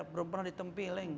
belum pernah ditempih